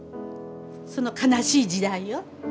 その悲しい時代を。